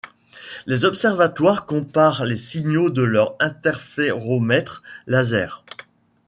Les observatoires comparent les signaux de leurs interféromètres laser.